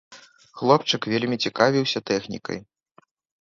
Хлопчык вельмі цікавіўся тэхнікай.